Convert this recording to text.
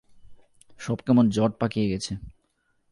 সব কেমন জট পাকিয়ে গেছে।